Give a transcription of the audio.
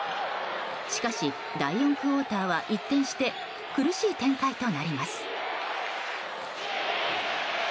しかし、第４クオーターは一転して苦しい展開となります。